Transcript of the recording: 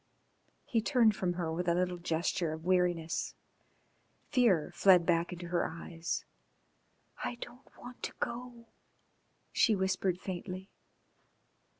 He turned from her with a little gesture of weariness. Fear fled back into her eyes. "I don't want to go," she whispered faintly.